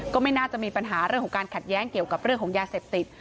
ก็ไม่น่าจะมีปัญหาเรื่องของการขัดแย้งเกี่ยวกับเรื่องของยาเสพติด